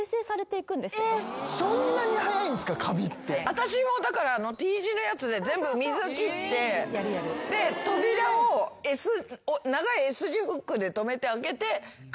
私もだからＴ字のやつで全部水切ってで扉を長いＳ字フックで留めて開けて換気扇。